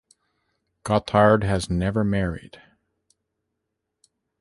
Gothard has never married.